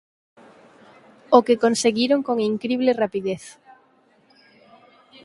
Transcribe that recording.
O que conseguiron con incrible rapidez.